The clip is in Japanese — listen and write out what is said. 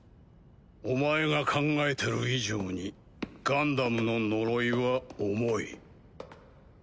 お前が考えてる以上にガンダムの呪いは重い。